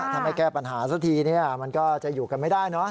ถ้าไม่แก้ปัญหาสักทีมันก็จะอยู่กันไม่ได้เนอะ